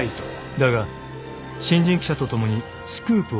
［だが新人記者と共にスクープを報道すべく］